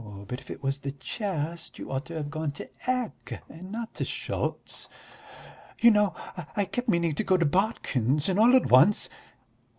But if it was the chest you ought to have gone to Ecke and not to Schultz." "You know, I kept meaning to go to Botkin's, and all at once...."